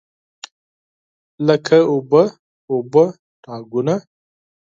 لکه اوبه، اوبه راګونه